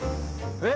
えっ？